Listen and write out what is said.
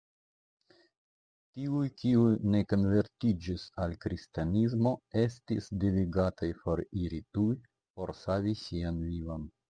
Tiuj kiuj ne konvertiĝis al kristanismo estis devigataj foriri tuj por savi sian vivon.